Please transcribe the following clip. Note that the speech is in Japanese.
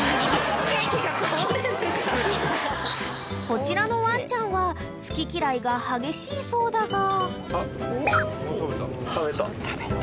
［こちらのワンちゃんは好き嫌いが激しいそうだが］